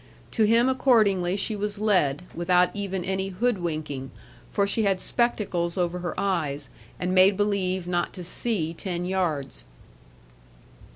To him accordingly she was led, without even any hoodwinking, for she had spectacles over her eyes, and made believe not to see ten yards.